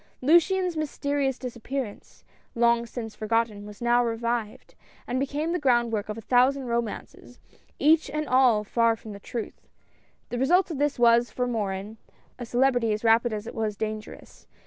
Luciane's mysterious disappearance, long since forgotten, was now revived, and became the groundwork of a thousand romances, each and all far from the truth. The result of all this was, for Morin, a celebrity as rapid as it was dangerous.